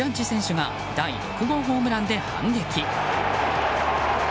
２戦目はジャッジ選手が第６号ホームランで反撃。